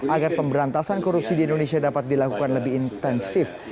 agar pemberantasan korupsi di indonesia dapat dilakukan lebih intensif